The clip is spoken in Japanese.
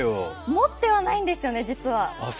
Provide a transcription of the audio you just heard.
持ってはないんですよね、実は。